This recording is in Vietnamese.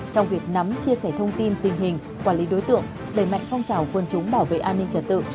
trong việc nắm chia sẻ thông tin tình hình quản lý đối tượng đẩy mạnh phong trào quân chúng bảo vệ an ninh trật tự